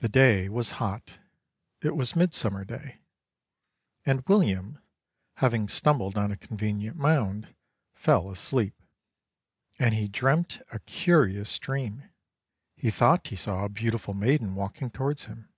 The day was hot it was Midsummer Day and William, having stumbled on a convenient mound, fell asleep. And he dreamt a curious dream. He thought he saw a beautiful maiden walking towards him.